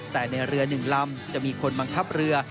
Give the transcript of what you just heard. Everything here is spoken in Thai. แต่ในเรือ๑ลำจะมีคนบังคับเรือ